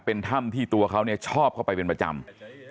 เป็นถ้ำที่ตัวเขาชอบเข้าไปเป็นประจำ